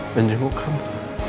dan jemput kamu